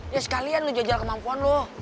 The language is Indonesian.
ya sekalian lu jajal kemampuan lo